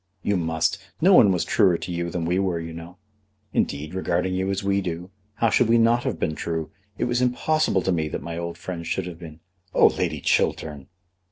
"You must. No one was truer to you than we were, you know. Indeed, regarding you as we do, how should we not have been true? It was impossible to me that my old friend should have been " "Oh, Lady Chiltern!"